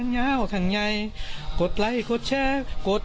เพลงที่สุดท้ายเสียเต้ยมาเสียชีวิตค่ะ